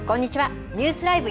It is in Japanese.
ニュースＬＩＶＥ！